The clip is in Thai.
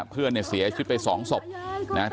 เพื่อนเนี่ยเสียชีวิตไป๒ศพนะครับ